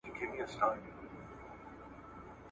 تاسو ولې له دې مسلک سره مینه لرئ؟